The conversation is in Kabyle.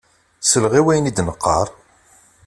Sel-aɣ i wayen i d-neqqaṛ!